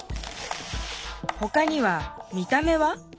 ほかには見た目は？